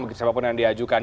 begitu siapapun yang diajukan